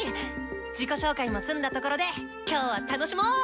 自己紹介も済んだところで今日は楽しもう！